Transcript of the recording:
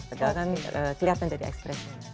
sekarang kan kelihatan dari ekspresinya